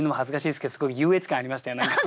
すごい優越感ありましたよ。